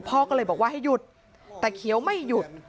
พ่อก็เลยบอกว่าให้หยุดแต่เขียวไม่หยุด